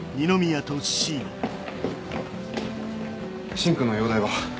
芯君の容体は？